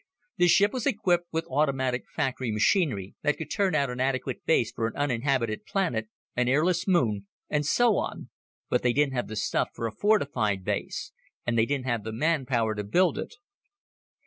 The ship was equipped with automatic factory machinery that could turn out an adequate base for an uninhabited planet, an airless moon, and so on but they didn't have the stuff for a fortified base and they didn't have the manpower to build it."